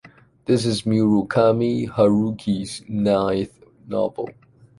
This is Murakami Haruki’ s ninth novel.